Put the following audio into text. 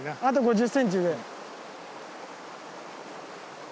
あと５０ｃｍ上？